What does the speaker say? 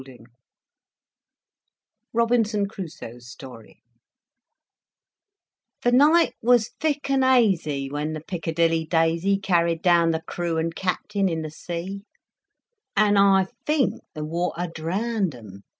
CarryL ROBINSON CRUSOE'S STORY The night was thick and hazy When the Piccadilly Daisy Carried down the crew and captain in the sea; And I think the water drowned 'em.